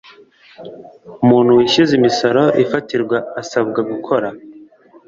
Umuntu wishyuza imisoro ifatirwa asabwa gukora